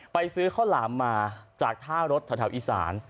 ซื้อข้าวหลามมาจากท่ารถแถวอีสาน